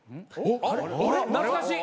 懐かしい。